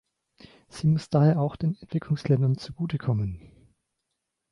Sie muss daher auch den Entwicklungsländern zu Gute kommen.